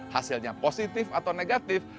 hasilnya positif atau negatif